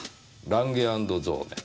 「ランゲ＆ゾーネ」。